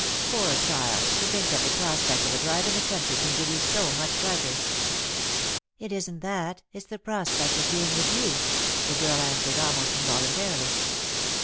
Poor child, to think that the prospect of a drive in the country can give you so much pleasure !"" It isn't that — it's the prospect of being with you," the girl answered, almost involuntarily.